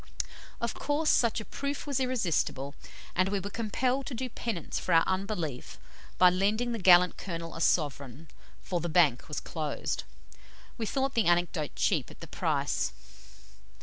Of course, such a proof was irresistible, and we were compelled to do penance for our unbelief by lending the gallant Colonel a sovereign, for "the Bank was closed." We thought the anecdote cheap at the price.